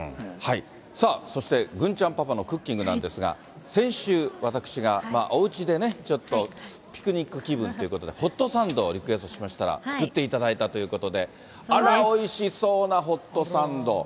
さあ、そして、郡ちゃんパパのクッキングなんですが、先週、私がおうちでね、ちょっとピクニック気分ということで、ホットサンドをリクエストしましたら、作っていただいたということで、あらおいしそうなホットサンド。